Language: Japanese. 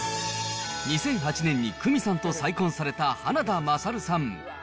２００８年に倉実さんと再婚された花田虎上さん。